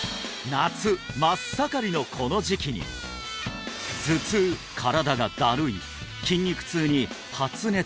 夏真っ盛りのこの時期に頭痛身体がだるい筋肉痛に発熱